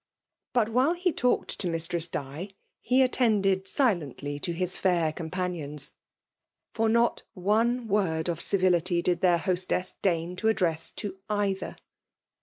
But, while he talked tQ Mistress Di, he attended silently to his fiuf companions ; for not one word of civility did their hostess deign to address to either.